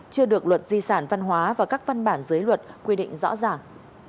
chưa được luật di sản văn hóa và các văn bản giới luật quy định rõ ràng